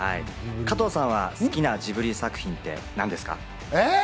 加藤さんは好きなジブリ作品ってなんですか？